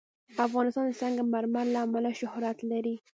افغانستان د سنگ مرمر له امله شهرت لري.